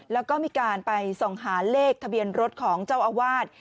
แล้วก็มีการไปส่องหาเลขทะเบียนรถของเจ้าอาวาส